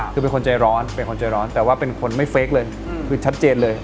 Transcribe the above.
คือเป็นคนใจร้อนแต่ว่าเป็นคนไม่เฟคเลยคือชัดเจนเลย